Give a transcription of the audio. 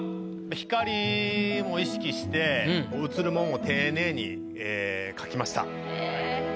光も意識して映るもんを丁寧に描きました。